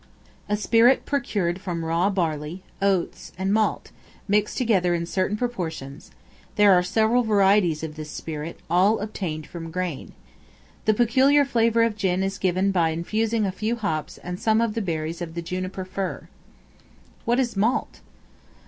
A spirit procured from raw barley, oats, and malt, mixed together in certain proportions: there are several varieties of this spirit, all obtained from grain. The peculiar flavor of gin is given by infusing a few hops and some of the berries of the juniper fir. What is Malt?